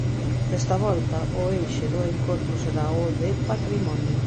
Desta volta, o eixe do encontro será o de Patrimonio.